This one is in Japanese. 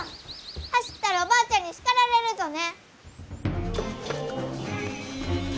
走ったらおばあちゃんに叱られるぞね！